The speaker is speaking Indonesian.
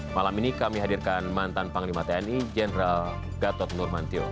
malam ini kami hadirkan mantan panglima tni jenderal gatot nurmantio